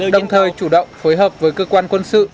đồng thời chủ động phối hợp với cơ quan quân sự